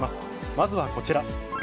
まずはこちら。